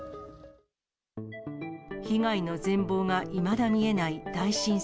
被害の全貌がいまだ見えない大震災。